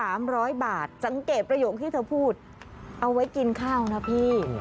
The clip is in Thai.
ร้อยบาทสังเกตประโยคที่เธอพูดเอาไว้กินข้าวนะพี่